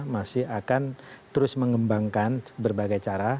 masih akan terus mengembangkan berbagai cara